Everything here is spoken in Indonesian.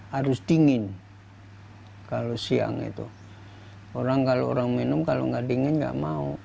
harus dingin kalau siang itu orang kalau orang minum kalau nggak dingin nggak mau